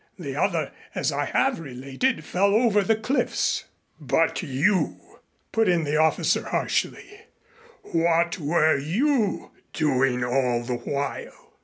The other, as I have related, fell over the cliffs." "But you" put in the officer harshly "what were you doing all the while?"